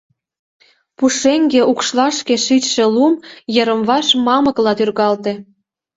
Пушеҥге укшлашке шичше лум йырым-ваш мамыкла тӱргалте.